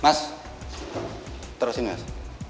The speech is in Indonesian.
mas terusin mas